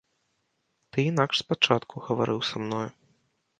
Ты інакш спачатку гаварыў са мною.